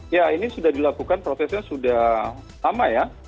ya ini sudah dilakukan prosesnya sudah lama ya